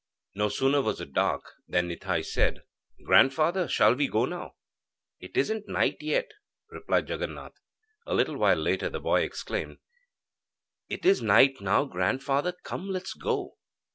No sooner was it dark than Nitai said: 'Grandfather, shall we go now?' 'It isn't night yet,' replied Jaganath. A little while later the boy exclaimed: 'It is night now, grandfather; come let's go.'